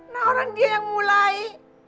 nah orang dia yang mulai